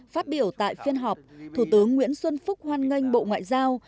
phát biểu tại phiên họp thủ tướng nguyễn xuân phúc hoan nghênh bộ ngoại giao